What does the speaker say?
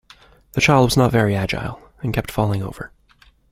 The child was not very agile, and kept falling over